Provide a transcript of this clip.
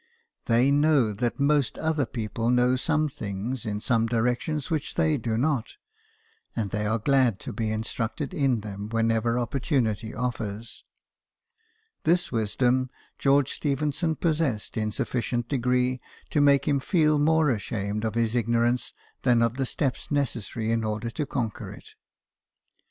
They know that most other people know some things in some directions which they do not, and they are glad to be instructed in them whenever opportunity offers. This wisdom George Stephenson possessed in sufficient degree to make him feel more ashamed of his ignorance than of the steps necessary in order to conquer it.